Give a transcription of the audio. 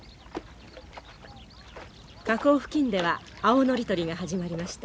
河口付近では青ノリ採りが始まりました。